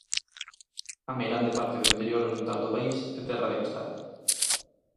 A meirande parte do interior oriental do país é terra de castaña.